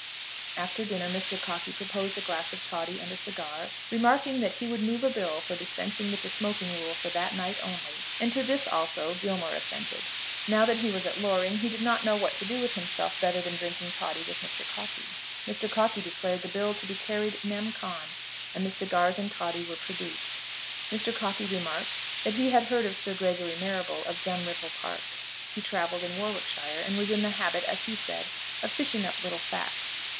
After dinner Mr. Cockey proposed a glass of toddy and a cigar, remarking that he would move a bill for dispensing with the smoking rule for that night only, and to this also Gilmore assented. Now that he was at Loring he did not know what to do with himself better than drinking toddy with Mr. Cockey. Mr. Cockey declared the bill to be carried nem. con., and the cigars and toddy were produced. Mr. Cockey remarked that he had heard of Sir Gregory Marrable, of Dunripple Park. He travelled in Warwickshire, and was in the habit, as he said, of fishing up little facts.